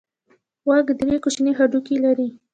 غوږ درې کوچني هډوکي لري.